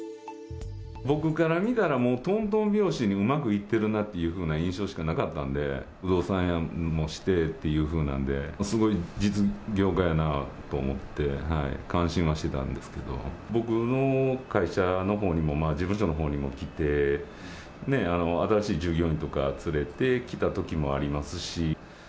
僕から見たら、もうとんとん拍子にうまくいってるなという印象しかなかったんで、不動産もして、すごい実業家やなあと思って、感心はしてたんですけど、僕の会社のほうにも、事務所のほうにも来て、新しい従業員とか連れて来たこともありますし。